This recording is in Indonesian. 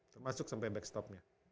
termasuk sampai backstopnya